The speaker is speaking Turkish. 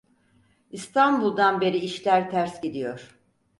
İstanbul'dan beri işler ters gidiyor.